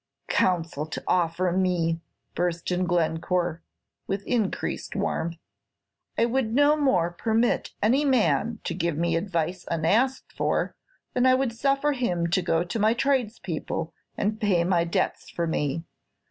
"Counsel to offer me!" burst in Glencore, with increased warmth. "I would no more permit any man to give me advice unasked than I would suffer him to go to my tradespeople and pay my debts for me.